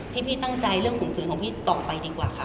พี่ตั้งใจเรื่องข่มขืนของพี่ต่อไปดีกว่าค่ะ